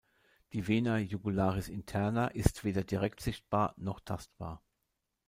Die Vena jugularis interna ist weder direkt sichtbar noch tastbar.